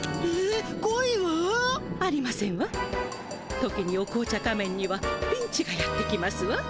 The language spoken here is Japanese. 時にお紅茶仮面にはピンチがやって来ますわ。